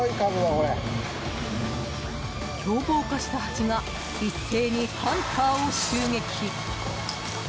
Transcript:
凶暴化したハチが一斉にハンターを襲撃！